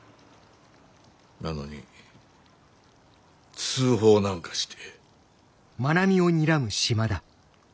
なのに通報なんかして。